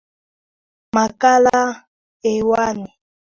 makala hewani ni wimbi la siasa na utakuwa nami mtayarishaji na mtangazaji wako